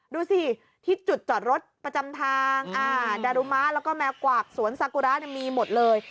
ดูสิที่จุดจอดรถประจำทางดารุมะแล้วก็แมวกวากสวนสากุระมีหมดเลย